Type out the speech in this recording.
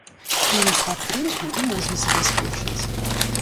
Ім падтрымку і можна забяспечыць.